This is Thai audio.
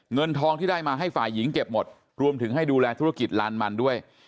เงินทองที่ได้มาให้ฝ่ายหญิงเก็บหมดรวมถึงให้ดูแลธุรกิจลานมันด้วย